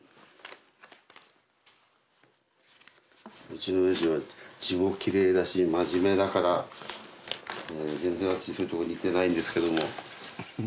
うちのおやじは字もきれいだし真面目だから全然私そういうところ似てないんですけども。